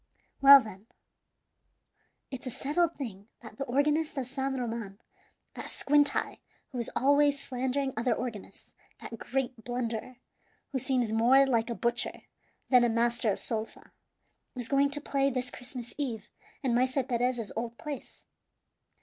"Well, then, it's a settled thing that the organist of San Roman that squint eye, who is always slandering other organists that great blunderer, who seems more like a butcher than a master of sol fa is going to play this Christmas Eve in Maese Perez's old place.